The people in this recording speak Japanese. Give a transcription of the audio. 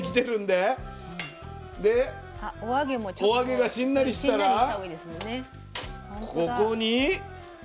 でお揚げがしんなりしたらここに。